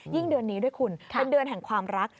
เดือนนี้ด้วยคุณเป็นเดือนแห่งความรัก